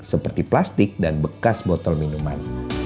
seperti plastik dan bekas botol minuman